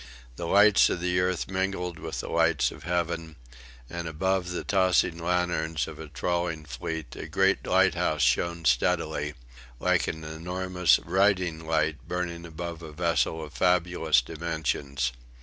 The lights of the earth mingled with the lights of heaven; and above the tossing lanterns of a trawling fleet a great lighthouse shone steadily, like an enormous riding light burning above a vessel of fabulous dimensions.